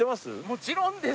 もちろんです。